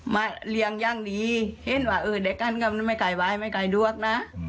มาเลี้ยงยังดีเผินว่าเออเด็กนข้ามันไม่ไขป้ายไม่ไขดวกนะ